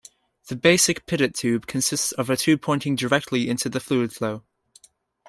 The basic pitot tube consists of a tube pointing directly into the fluid flow.